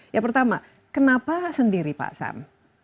ya pertama kenapa sendiri pak sam